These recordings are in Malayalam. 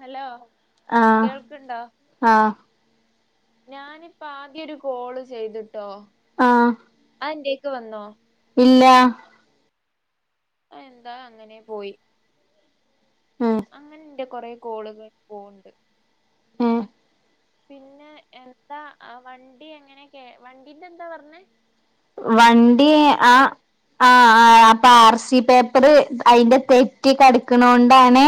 ഹലോ ആഹ് കേൾക്കുണ്ടോ? ആഹ് ഞാനിപ്പോ ആദ്യ ഒരു കോള് ചെയ്ത്ട്ടോ, അന്റെേക്ക് വന്നോ? ഇല്ലാ. അത് എന്താ അങ്ങനെ പോയി. മ്മ്ഹ്. അങ്ങനെന്റ കൊറെേ കോളുകൾ പോവ്ണ്ട്. ഏഹ് പിന്നെ എന്താ വണ്ടി എങ്ങനെ കേ വണ്ടീന്റെ എന്താ പറഞ്ഞേ? വണ്ടി അന്റെപ്പച്ചി ചോ ആഹ് ആ ആ അപ്പ ആർ സി പേപ്പറ് അയിന്റെ തെറ്റി കെടക്കണോണ്ടാണ്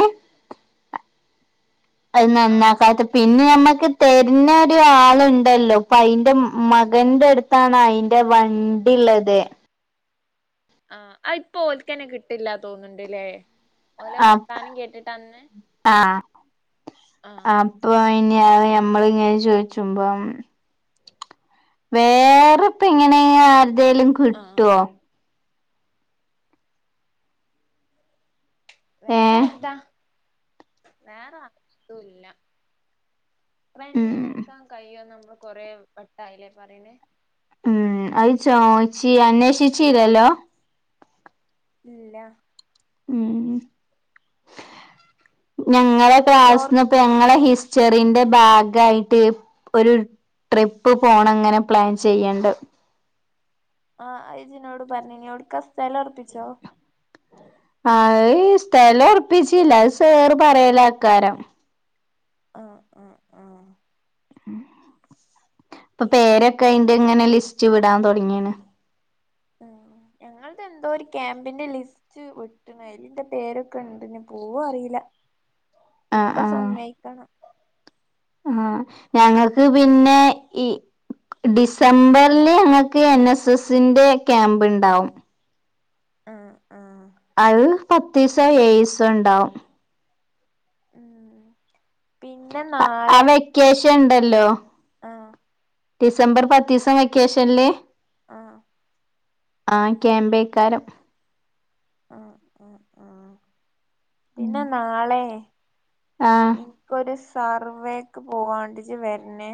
അത് ആഹ് നന്നാക്കാത്തത് പിന്നെ നമ്മക്ക് തര്ണ ഒരു ആളുണ്ടല്ലോ, പ്പ അയിന്റെ മകന്റെ അടു ട്ടാണ് അയിന്റെ വണ്ടിള്ളത്. ആഹ്, അയ് ഇപ്പോ ഓൽക്കന്നെ കിട്ടില്ല തോന്നുണ്ടല്ലേ ഓലെ ആഹ് വർത്താനം കേട്ടിട്ട് അന്ന്. ആഹ്, ആഹ് അപ്പൊ ഇനി അത് ഞമ്മല് ഇങ്ങനെ ചോയ്ച്ചുമ്പം വേറെപ്പ ഇങ്ങനെ ആര്ടെേലും ആഹ് കിട്ടുവോ? വേറെ ഏഹ് ആര്താ വേറെ അര്തുല്ല. റെന്റിന് ഉം എട്ക്കാൻ കഴിയോ നമ്മള് കൊറെ വട്ടായില്ലേ പറെണെ. ഉം അത് ചോയിച്ചി അന്വേഷിച്ചീലല്ലോ. ഇല്ല ഉം ഞങ്ങളെ ചോർ ക്ലാസ്സ്ന്ന് ഇപ്പ ഞങ്ങള ഹിസ്റ്ററിന്റെ ഭാഗായിട്ട് ഒരു ട്രിപ്പ് പോണം ങ്ങനെ പ്ലാൻ ചെയ്യണ്ട്. ആഹ്, ഐജിനോട് പർഞ്ഞി എവ്ട്ക്കാ സ്ഥലം ഒറപ്പിച്ചോ? ആയ്യ് സ്ഥലം ഒറപ്പിച്ചില്ല അത് സേറ് പറയലാ ആക്കാരം. ആഹ ഇപ്പൊ പേരൊക്കെ അയിന്റെ ഇങ്ങനെ ലിസ്റ്റ് വിടാൻ തുടങ്ങിയിണ് ആ ഞങ്ങടെ എന്തോ ഒരു ക്യാമ്പിന്റെ ലിസ്റ്റ് ഒരു അതില് എന്റെ പേരൊക്കെ ഉണ്ട് പൂവെ അറിയില്ല ആഹ് ഉപ്പ സമ്മയിക്കണം ആഹ ഞങ്ങൾക്ക് പിന്നെ ഈ ഡിസംബറില് ഞങ്ങക്ക് എൻ എസ്എസിന്റെ ക്യാമ്പ് ഉണ്ടാവും ആഹ് ആഹ് അത് പത്ത് ദിവസോ ഏഴ് ദിവസോ ഉണ്ടാവും ഉം പിന്നെ നാളെ കാഷു വേണ്ടല്ലോ ആഹ് ഡിസംബർ പത്ത് ദിവസം വെക്കേഷനില് ആഹ് ആ ക്യാമ്പേക്കാരം ആഹ് പിന്നെ നാളെ ആ ഇപ്പ ഒരു സർവേക്ക് പോവാണ്ട് ഇജ് വരണേ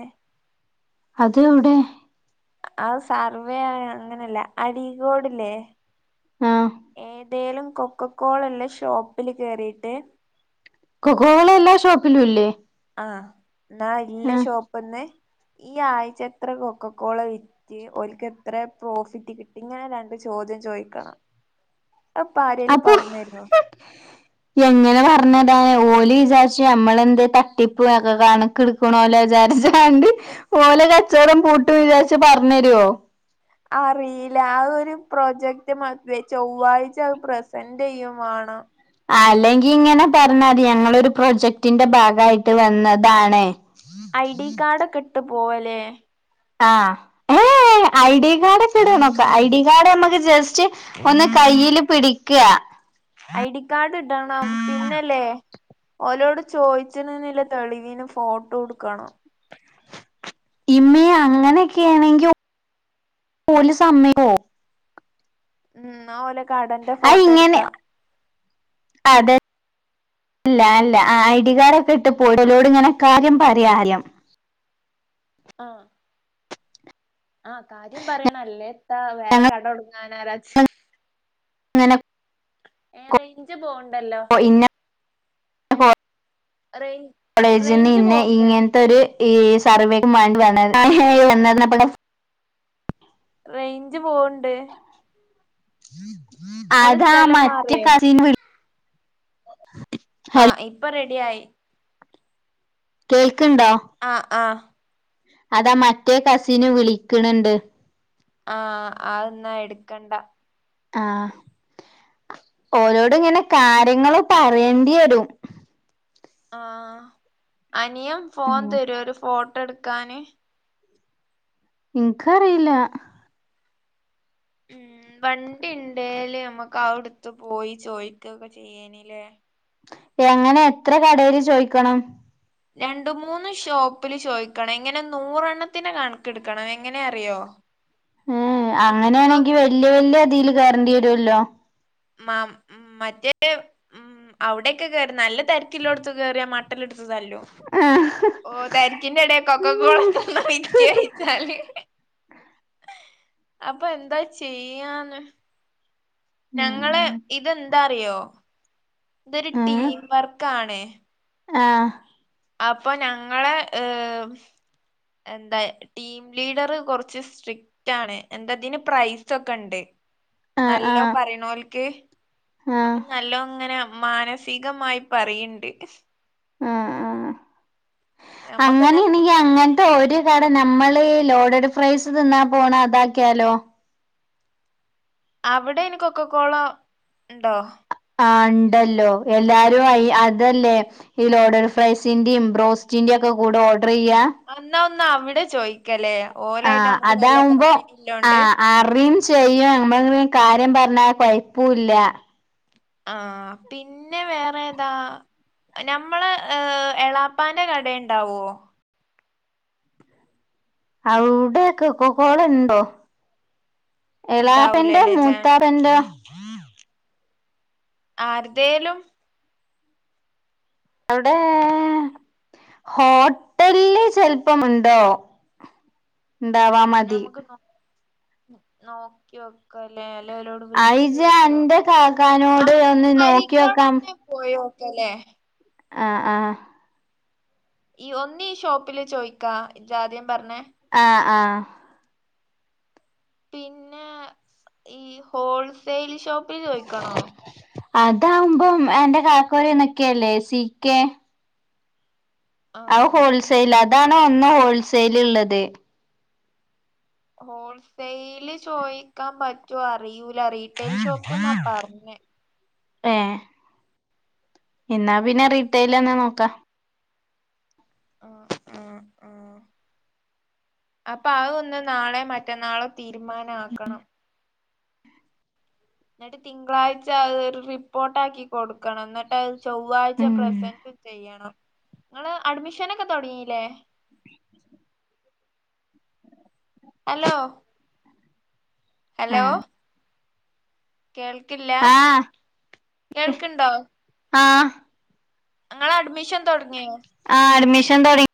അത് എവിടെ അത് സർവവേ ആയ അങ്ങനെയല്ല അടികൊടെ ഇല്ലേ ആ ഏ ന്തേലും കൊക്കകോള ലുള്ള ഷോപ്പില് കേറിയിട്ട് കൊക്കകൊള എല്ലാ ഷോപ്പിലും ഇല്ലേ ആഹ് എന്നാ ഇല്ല ആ ഷോപ്പ്ന്ന് ഈ ആഴ്ച എത്ര കൊക്കകോള വി ഓര്ക്ക് എത്ര പ്രോഫിറ്റ് കിട്ടി ഇങ്ങനെ രണ്ട് ചോദ്യം ചോദിക്കണം അത്പ്പ ആരേലും അപ്പൊ പറഞ്ഞരോ എങ്ങനെ പറഞ്ഞതാ ഓല് വിചാരിച്ച് നമ്മളെന്ത് തട്ടിപ്പ് ഒക്കെ കണക്കെടുക്കണോ ലോ വിചാരിച്ച ന്ത്‌ ഓലെ കച്ചവടം പൂട്ടുംന്ന് വിചാരിച്ച് പറഞ്ഞു തരോ അറിയില്ല ആ ഒരു പ്രോജക്ട് മസെ ചൊവ്വാഴ്ച അത് പ്രസന്റ് ചെയും വേണം അല്ലെങ്കിൽ ഇങ്ങനെ പറഞ്ഞാൽ മതി ഞങ്ങളൊരു പ്രൊജക്ടിന്റെ ഭാഗമായിട്ട് വന്നതാണ് ഐ ഡി കാർഡൊക്കെ ഇട്ട് പോവല്ലേ ആഹ് ഏ ഐഡി കാറെഡ് ടോക്കെ നോക്കാം ഐ ഡി കാർഡ് നമ്മുക്ക് ജസ്റ്റ് ഒന്ന് കയ്ൽ പിടിക്കാ ഐ ഡി കാർഡ് ഇടണം പിന്നല്ലേ ഓലോട് ചോദിച്ചന് തെളിവിന് ഫോട്ടോ ഒടുക്കണം ഇമ്മി അങ്ങനെയൊക്കെയാണെങ്കിൽ പോല് സമയോ ഉം ന്നാ ഓലക് ആഹ് ഇങ്ങനെ അതെ ഇല്ല അല്ല ഐ ഡി കാർഡ് ഒക്കെ ഇട്ട് പോയിലോട് ഇങ്ങനെ കാര്യം പറയാ ആറിയം ആഹ് ആഹ് കാര്യം പറയണം അല്ലേത്താ വേറെ ഞങ്ങൾ കടടുങ്ങാനാച്ച് [unintelligible] ഏ റെയിഞ്ച് പോവുണ്ടല്ലോ ഇന്നാ റെയിൻ കോളേജിൽന്ന് ഈ ഇങ്ങനത്തെ ഒരു സർവേ വാണ്ടി വന്നത് റെയ്ഞ്ച് പോവണ്ട് ഇങ്ങള് അതാ സ്ഥലം മറ്റേ മാറിയേ കസിൻ വി ആഹ് ഇപ്പൊ റെഡി ആയി കേൾക്കണ്ടോ ആഹ് ആഹ് അത് മറ്റേ കസിന് വിളിക്കണണ്ട് ആഹ് അതന്നാ എടുക്കണ്ട ആഹ് ഓരോട് ഇങ്ങനെ കാര്യങ്ങൾ പറയേണ്ടി വരും ആഹ് അനിയൻ ഫോൺ ഉം. തരോ ഒരു ഫോട്ടോ എടുക്കാന് ഇൻക്ക് അറിയില്ല ഉം വണ്ടി ണ്ടേല് നമ്മക്ക് ആവിടുത്ത് പോയി ചോയ്ക്കാ പറ്റെയ്‌നില്ലേ എങ്ങനെ എത്ര കടെൽ ചോയ്ക്കണം രണ്ട മൂന്ന് ഷോപ്പില് ചോയ്ക്കണം ഇങ്ങനെ നൂറെണ്ണത്തിന്റെ കണക്കെടുക്കണം എങ്ങനെ അറിയോ ഇപ്പം അങ്ങനെയാണെങ്കി വല്യ വല്യ അതിൽ കേറണ്ടി വരുവല്ലോ മ മറ്റേ ഉം അവിടെക്കെ കേറി നല്ല തിരക്കിലോടുത്ത് കേറിയാ മ ടുത്ത് തല്ലോ ആ. ഓ തരിക്കിന്റെ ഇടല് ക്കൊക്കക്കോളാ ഒക്കെ തന്ന വിറ്റ് അഴിച്ചാല് അപ്പ എന്താ ചെയ്യാന് ഞമ്മള് ഉം. ഇതെന്താറിയോ ഇതൊരു ടീം വർക്ക് ആണ് ആഹ അപ്പൊ ഞങ്ങള് ഹ്എന്താ ലീഡർ കുറച്ച് സ്ട്രിക്ട് ആണ് എന്താതിന് പ്രൈസ ഒക്കെ ഉണ്ട് ആ. ആ. നല്ലോ പറയ്ണോല്ക്ക് ആ. ആ. നല്ലോ ഇങ്ങനെ മാന സികമായി പറയുണ്ട് ആ ആ നമ്മക്കന്നെ അങ്ങനെയാണെങ്കിൽ അങ്ങന [unintelligible] ഒരു കട നമ്മള് ലോഡഡ് ഫ്രൈസ് തിന്നാ പോണ അതാക്കിയാലോ അവിടെ അയ്ന്കോക്ക കോള ഉണ്ടോ ആ ഉണ്ടല്ലോ എല്ലാരും ആയി അതല്ലേ ഈ ലോഡർഫ്രൈസിന്റെ ബ്രോസ്റ്റിന്റെ ഒക്കെ കൂടെ ഓർഡർ ചെയ്യാ എന്നന്നാ ഒന്നാ അവിടെ ചോദിക്കലേ ആ അതാവുമ്പോ ആ ആറ് ചെയ്യാൻ നമ്മൾഎങ്കിലും കാര്യം പറഞ്ഞാൽ കുയപ്പൂ ഇല്ല ആഹ പിന്നെ വേറെ ഏതാ ഞമ്മളെ ഹ്എളാപ്പാന്റെ കട ഇണ്ടാവോ അവ്ടെ കൊക്കോ കോളഉണ്ടോ എളാപ്പന്റെ ഇണ്ടാവൂലല്ലേ ചാ മൂത്താ പ്പൻ്റെ ആര്തേലും അവിടെ ഹോട്ടലില് ചിലപ്പോ ഉണ്ടോ ഇണ്ടാവമാ ഞമക്ക് നോക്കി നോക്ക ക്കലെഅല്ലങ്കിൽ വിളിച്ച് അയിജ് ചൊയിക്കാം അന്റെ കാക്കാനോട് നമ്മക്ക് ഒന്ന് നോക്കി അരിക്കോട് വെക്കാം അണ് പോയി ഓക്കെല്ലേ ആഹ ആഹ ഈ ഒന്ന് ഈ ഷോപ്പില് ചോയിക്കാ ഇജ് ആദ്യം പറഞ്ഞ ആഹ ആഹ പിന്നെ ഈ ഹോൾസെൽ ഷോപ്പിൽ ചോദിക്കണോ അതാവുമ്പോ അന്റെ കക്കു നെ [unintelligible] സി കെ അത് ആഹ് ഹോൾസെൽണ് അതാണോ ഒന്ന് ഹോൾസെൽ ഉള്ളത് ഹോൾസെയില് ചോയിക്കാൻ പറ്റോ അറിയൂല റീട്ടെൽ ഷോപ്പ് എന്നാ പറഞ് ഏ ഇന്നാ പിന്നെ റിട്ടൈൽ എന്നെ നോക്കാം ആ ആ ആ അപ്പൊ അത്ഒന്ന് നാളെ മറ്റന്നാളും തീരുമാന ആക്കണം എന്നിട്ട് തിങ്കളാഴ്ച അത് ഒരു റിപ്പോർട്ട് ആക്കി കൊടുക്കണം എന്നിട്ട് അത് ചൊവ്വാഴ്ച ഉം പ്രസന്റ് ചെയ്യണം നിങ്ങള് അഡ്മിഷനൊക്കെ തുടങ്ങില്ലേ ഹലോ ഹലോ ഉം കേൾക്കില്ല ആഹ് കേൾക്ണ്ടോ ആഹ് ഇങ്ങളെ അഡ്മിഷൻ തുടങ്ങിയോ ആ അഡ്മിഷൻ തുടങ്ങ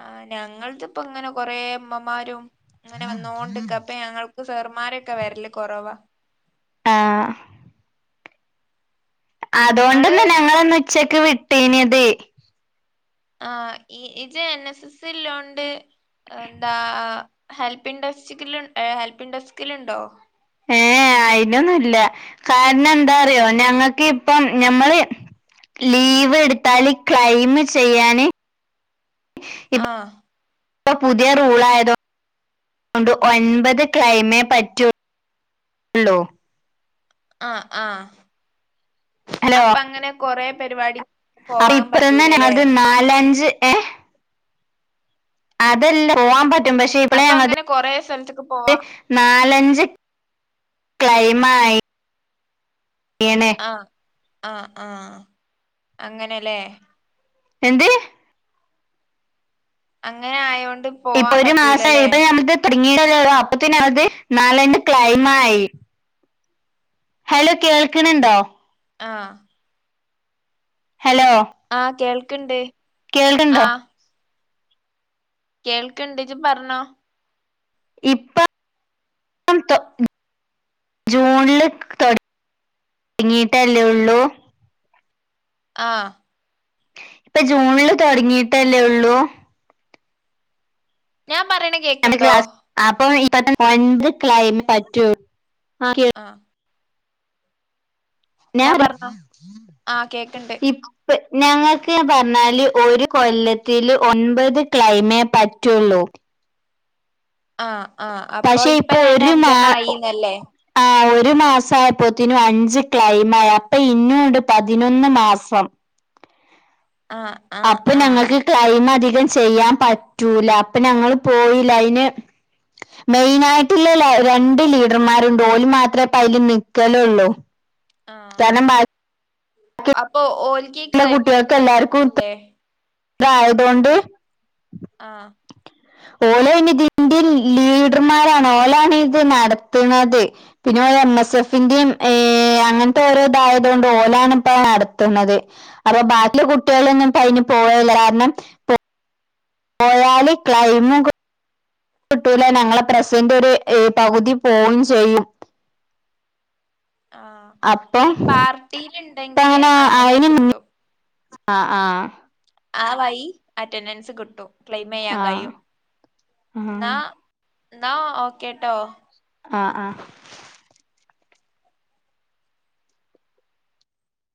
ആ ഞങ്ങളത് ഇപ്പോഇങ്ങനെ കൊറെ ഇമ്മമാരും ഇങ്ങനെ വന്ന് കൊണ്ട് നിൽക്കാഅപ്പൊ ഞങ്ങൾക്ക് സാറുമാരൊക്കെ വരല് കുറവാ ആഹ് അതുകൊണ്ട്ന്നാ നിങ്ങള് ഞങ്ങള ഇന്ന് ഉച്ചക്ക് വിട്ടീഞ്ഞത് ആ ഇജ്എൻ എസ് എസ് ഇലോണ്ട് എന്താ ഹെൽപ്പിൻ ഡെസ്കിൽ ഹെൽപ്പിൻ ഡെസ്കിൽ ഉണ്ടോ ഏ എഅയിലൊന്നു ഇല്ല കാരണം എന്താ അറിയോ ഞങ്ങക്ക് ഇപ്പോ ഞമ്മള് ലീവ് എടുത്താൽ ക്ലൈയിം ചെയ്യാന് ആഹ് ഇപ്പം പുതിയ റൂൾ ആയതോ ണ്ട് ഒൻപത് ക്ലൈമേ പറ്റൂള്ളൂ ആ ആ അപ്പൊ അങ്ങനെ കൊറെ പരിപാടി അ പോവാൻ ഇപ്പറന്ന് പറ്റൂലല്ലേ അത് നാലഞ്ച് ഏ അതല്ല പോവാൻ പറ്റും പക്ഷെ ഇപ്പളെ അപ്പൊ ഞങ്ങ അങ്ങനെ കൊറെ സ്ഥലത്തേക്ക് പോവാം നാലഞ്ച് ക്ലൈം ആയി യീണ് ആഹ് ആഹ് ആഹ് അങ്ങനെല്ലേ എന്ത് അങ്ങനെ ആയോണ്ട് പോവാൻ പറ്റൂലല്ലേ തുടങ്ങിടല്ലോ അപ്പത്ത അത് നാലെണ്ട് ക്ലൈമ ആയി ഹലോ കേൾക്കണണ്ടോ ആ ഹലോ ആഹ് കേൾക്ണ്ട് കേൾക്ക്ണ്ടോ കേൾക്ക്ണ്ട് ജി പറഞ്ഞോ ഇപ്പ [inaudible] ജൂണില് തുടങ്ങിട്ടല്ലേ ഉള്ളൂ ആഹ് ഇപ്പൊ ജൂണില് തുടങ്ങീട്ടല്ലേ ഉള്ളൂ ഞാൻ പറയണ കേ [inaudible] ക്ലാസ് അപ്പൊ ഇപ്പ ഒൻപത് ക്ലൈമേ പറ്റൂ [inaudible] ആഹ് [inaudible] എന്നാ പറഞ്ഞോ ആ കേക്ക്ണ്ട് ഞങ്ങൾക്ക് പറഞ്ഞാല് ഒരു കൊല്ലത്തില് ഒൻപത് ക്ലൈമേ പറ്റുള്ളൂ ആഹ് ആഹ് അപ്പൊ പക്ഷെ ഇപ്പൊ തന്നെ ഒരു മാ അഞ്ചെണ്ണ ആയിന്നല്ലേ ആ ഒരു മാസയപ്പോത്തിനു അഞ്ച് ക്ലൈം ആയി അപ്പൊ ഇഞ്ഞുണ്ട് പതിനൊന്ന് മാസം ആ അപ്പൊ ഞങ്ങൾക്ക് ക്ലൈം അധികം ചെയ്യാൻ പറ്റൂല അപ്പൊ ഞങ്ങള് പോയില്ല അതിന് മെയിന ആയിട്ടുള്ള രണ്ട് ലീഡർമാരും ഉണ്ട് ഓല് മാത്രമേ ഇപയ്ല് നിക്കലുള്ളൂ ആഹ് കാരണം ബാക്കിയുള്ള അപ്പൊ ഓൽക്കി ക്ലൈമിങ്ങിന്റെ പ്രശ്നല്ലേ ഇതായതുകൊണ്ട് ആഹ് ഓലോണ ഇതിന്റെ ലീഡർമാരാണ് ഓലോണ ഇത് നടത്തുന്നത് പിന്നെ എം എസ് എഫിന്റെയും ഏ അങ്ങനത്തെ ഓരോ ഇതായതുകൊണ്ട് ഓലാണ് ഇപ്പ നടത്തുന്നത് അപ്പൊ ബാക്കിയ കുട്ടികളൊന്നും ഇപ്പ അയി പോവലില്ല കാരണം പോയാളി ക്ലൈമുക ട്ടൂല ഞങ്ങളെ പ്രസന്റ് ഒരു പകുതി പോവുകയും ചെയ്യും ആഹ അപ്പൊ ഈ പാർട്ടിൽ ഉണ്ടെങ്കില് അങ്ങനെ കിട്ടും ആഹ ആഹ ആഹ വായി അറ്റൻഡൻസ് കിട്ടും ക്ലെയിം ചെയ്യാൻ ആ കഴിയും എന്നാ ന്നാ ഓകേട്ടോ ആഹ ആഹ